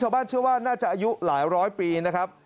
ชาวบ้านเชื่อว่าน่าจะอายุหลายร้อยปีนะครับ